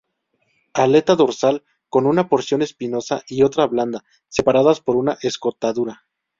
Aleta dorsal con una porción espinosa y otra blanda, separadas por una escotadura.